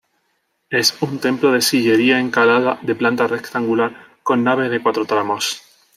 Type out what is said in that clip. Es un templo de sillería encalada, de planta rectangular, con nave de cuatro tramos.